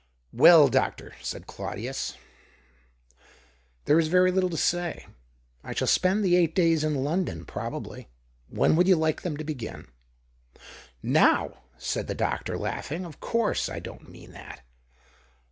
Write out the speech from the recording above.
" Well, doctor," said Claudius, " there is ^■ery little to say. I shall spend the eight il6 THE OCTAVE OIF CLAUlDIUS. days in London, probably. When would you like them to begin ?"" Now," said the doctor, laughing. " Of course I don't mean that.